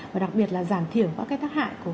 và đặc biệt là giảm thiểu các cái tác hại của